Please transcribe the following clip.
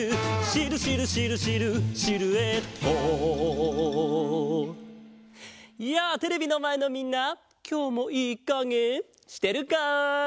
「シルシルシルシルシルエット」やあテレビのまえのみんなきょうもいいかげしてるか？